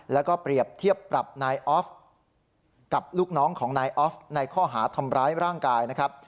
แล้วก็เปรียบเทียบปรับนายออฟกับลูกน้องของนายออฟในข้อหาทำร้ายร่างกายนะครับ